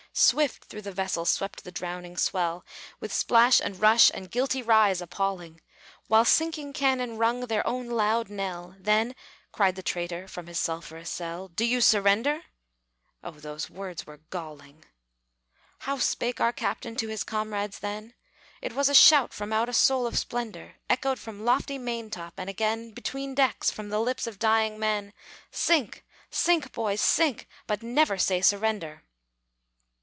Swift through the vessel swept the drowning swell, With splash, and rush, and guilty rise appalling; While sinking cannon rung their own loud knell. Then, cried the traitor, from his sulphurous cell, "Do you surrender?" Oh, those words were galling! How spake our captain to his comrades then? It was a shout from out a soul of splendor, Echoed from lofty maintop, and again Between decks, from the lips of dying men, "Sink! sink, boys, sink! but never say surrender!"